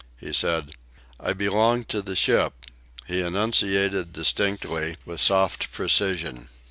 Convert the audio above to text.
He said: "I belong to the ship." He enunciated distinctly, with soft precision.